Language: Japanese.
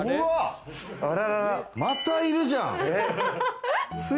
またいるじゃん。